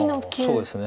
そうですね。